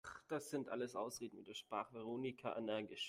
Ach, das sind alles Ausreden!, widersprach Veronika energisch.